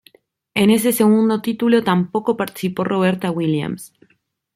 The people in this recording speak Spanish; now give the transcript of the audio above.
En ese segundo título tampoco participó Roberta Williams.